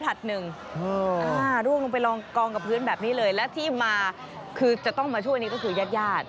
ร่วงลงไปลองกองกับพื้นแบบนี้เลยและที่มาคือจะต้องมาช่วยนี่ก็คือญาติญาติ